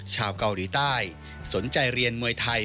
ชาวเกาหลีใต้สนใจเรียนมวยไทย